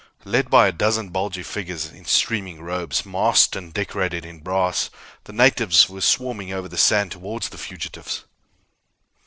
Led by a dozen bulgy figures in streaming robes, masked and decorated in brass, the natives were swarming over the sand toward the fugitives.